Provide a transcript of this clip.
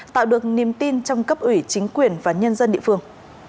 tạo được niềm tin trong cấp ủy chính quyền và nhân dân địa phương